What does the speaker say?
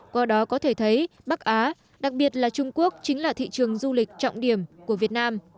qua đó có thể thấy bắc á đặc biệt là trung quốc chính là thị trường du lịch trọng điểm của việt nam